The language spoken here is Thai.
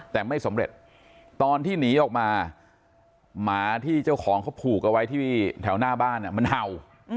แต่ไม่สำเร็จตอนที่หนีออกมาหมาที่เจ้าของเขาผูกเอาไว้ที่แถวหน้าบ้านมันเห่า